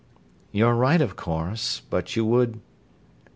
"You're right, of course, but you would...."